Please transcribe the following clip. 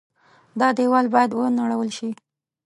دا دېوال باید ونړول شي.